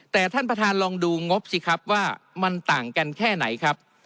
แต่ท่านประธานลองดูงบสิครับว่ามันต่างกันแค่ไหนครับ